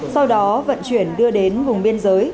sau đó vận chuyển đưa đến hùng biên giới